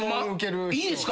いいですか？